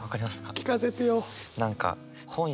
聞かせてよ。